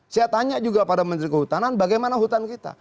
saya tanya juga pada menteri kehutanan bagaimana hutan kita